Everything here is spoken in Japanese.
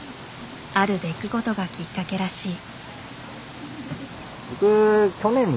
ある出来事がきっかけらしい。